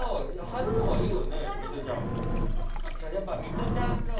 貼るのはいいよね？